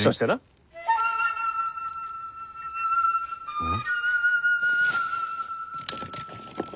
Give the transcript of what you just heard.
うん？